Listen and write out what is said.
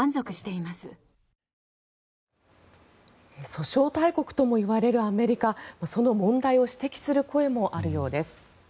訴訟大国ともいわれるアメリカその問題を指摘する声もあるようです。